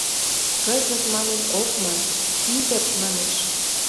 «Кызыт» манын ок ман, «кизыт» манеш.